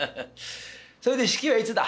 それで式はいつだ？